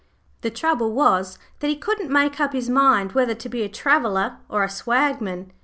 The trouble was that he couldn't make up his mind whether to be a Traveller or a Swagman.